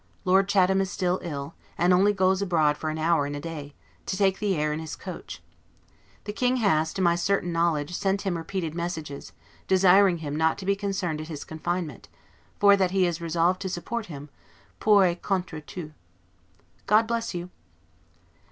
Lord Chatham is still ill, and only goes abroad for an hour in a day, to take the air, in his coach. The King has, to my certain knowledge, sent him repeated messages, desiring him not to be concerned at his confinement, for that he is resolved to support him, 'pour et contre tous'. God bless you!